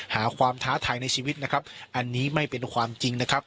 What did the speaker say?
หาความท้าทายในชีวิตนะครับอันนี้ไม่เป็นความจริงนะครับ